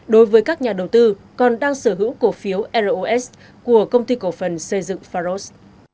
đối với các nhà đầu tư còn đang sở hữu cổ phiếu ros của công ty cổ phần xây dựng pharos